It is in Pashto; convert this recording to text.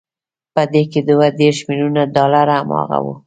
په دې کې دوه دېرش ميليونه ډالر هماغه وو.